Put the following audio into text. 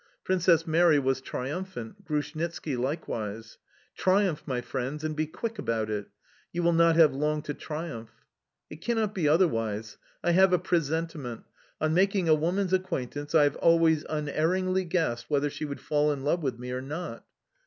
Princess Mary was triumphant, Grushnitski likewise. Triumph, my friends, and be quick about it!... You will not have long to triumph!... It cannot be otherwise. I have a presentiment... On making a woman's acquaintance I have always unerringly guessed whether she would fall in love with me or not.